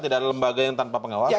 tidak ada lembaga yang tanpa pengawasan